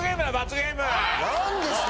何ですか？